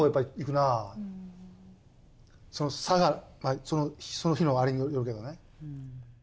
その差がその日のあれによるけどね。